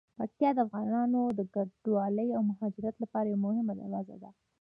پکتیکا د افغانانو د کډوالۍ او مهاجرت لپاره یوه مهمه دروازه ده.